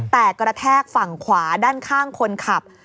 แต่กระแทกฝั่งขวาด้านข้างคนขับ